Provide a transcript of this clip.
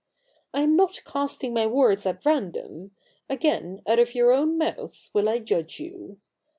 I am not casting my words at random. Again out of your own mouths will I judge you.